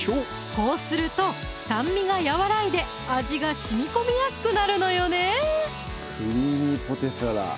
こうすると酸味が和らいで味がしみこみやすくなるのよね「クリーミーポテサラ」